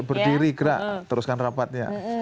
berdiri gerak teruskan rapatnya